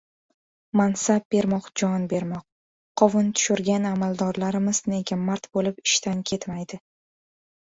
Mansab bermoq – jon bermoq! «Qovun tushirgan» amaldorlarimiz nega mard bo‘lib ishdan ketmaydi?